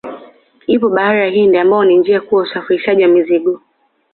Ipo bahari ya Hindi ambayo ni njia kuu ya usafirishaji wa mizigo